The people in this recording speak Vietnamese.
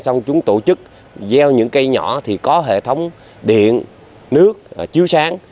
xong chúng tổ chức gieo những cây nhỏ thì có hệ thống điện nước chiếu sáng